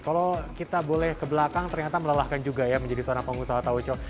kalau kita boleh ke belakang ternyata melelahkan juga ya menjadi seorang pengusaha taoco